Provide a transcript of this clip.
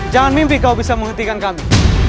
jangan mimpi kau bisa menghentikan kami